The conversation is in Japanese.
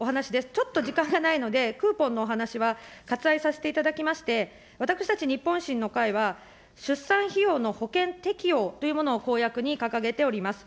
ちょっと時間がないので、クーポンのお話は割愛させていただきまして、私たち日本維新の会は、出産費用の保険適用というものを公約に掲げております。